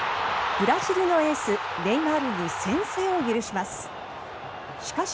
ブラジルのエースネイマールに先制を許します。